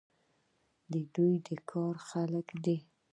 دوی د کار خلک دي.